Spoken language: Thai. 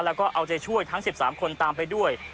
แล้วก็เอาใจช่วยทั้ง๑๓คนตามไปด้วย